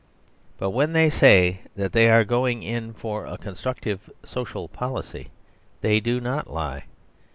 But when they say that they are going in for a "constructive social policy," they do not lie.